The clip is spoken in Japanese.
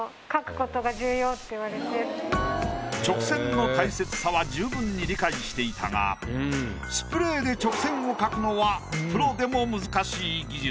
直線の大切さは十分に理解していたがスプレーで直線を描くのはプロでも難しい技術。